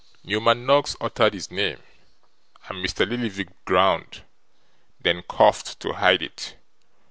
Newman Noggs uttered his name, and Mr. Lillyvick groaned: then coughed to hide it.